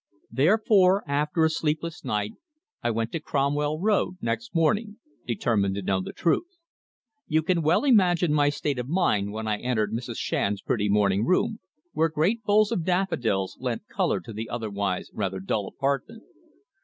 Therefore, after a sleepless night, I went to Cromwell Road next morning, determined to know the truth. You can well imagine my state of mind when I entered Mrs. Shand's pretty morning room, where great bowls of daffodils lent colour to the otherwise rather dull apartment.